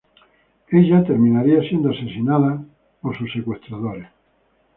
Elia terminaría siendo asesinado por sus secuestradores.